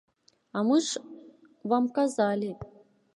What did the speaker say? А мы ж вам казалі.